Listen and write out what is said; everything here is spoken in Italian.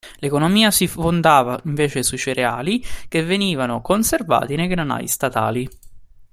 L'economia si fondava invece sui cereali, che venivano conservati nei granai statali.